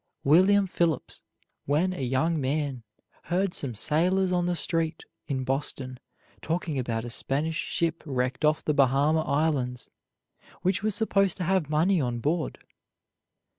William Phipps, when a young man, heard some sailors on the street, in Boston, talking about a Spanish ship wrecked off the Bahama Islands, which was supposed to have money on board.